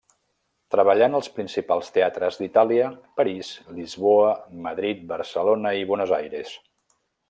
Treballà en els principals teatres d'Itàlia, París, Lisboa, Madrid, Barcelona i Buenos Aires.